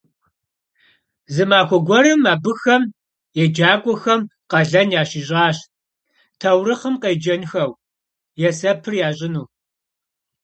Zı maxue guerım abıxem yêğecak'uem khalen yaşiş'aş taurıxhım khêcenxeu, yêsepır yaş'ınu.